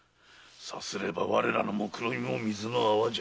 さすれば我らの目論見も水の泡じゃ。